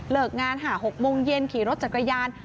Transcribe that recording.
เลิกงานหาหกโมงเย็นขี่รถจัดกระยาน